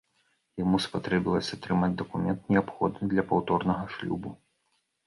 Яму спатрэбілася атрымаць дакумент, неабходны для паўторнага шлюбу.